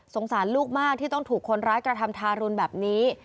สารลูกมากที่ต้องถูกคนร้ายกระทำทารุณแบบนี้